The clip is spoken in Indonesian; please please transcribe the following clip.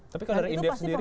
tapi kalau dari indef sendiri